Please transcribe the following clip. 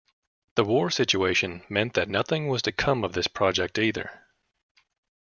The war situation meant that nothing was to come of this project either.